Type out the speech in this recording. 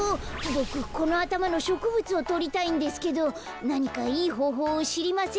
ボクこのあたまのしょくぶつをとりたいんですけどなにかいいほうほうをしりませんか？